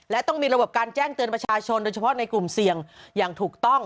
และต้องมีระบบการแจ้งเตือนประชาชนโดยเฉพาะในกลุ่มเสี่ยงอย่างถูกต้อง